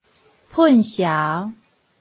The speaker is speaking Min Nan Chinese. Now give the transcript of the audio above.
噴潲